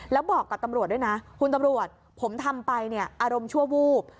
แล้วบอกกับตำรวจด้วยนะคุณตำรวจผมทำไปเนี่ยอารมณ์ชั่ววูบ